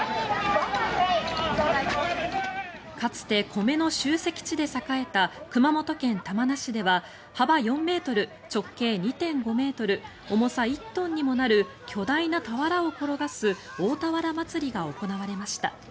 かつて米の集積地で栄えた熊本県玉名市では幅４ｍ、直径２．５ｍ重さ１トンにもなる巨大な俵を転がす大俵まつりが行われました。